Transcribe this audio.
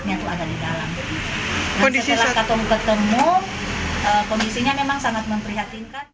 setelah ketemu kondisinya memang sangat memprihatinkan